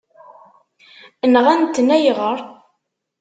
Nɣan-ten, ayɣer?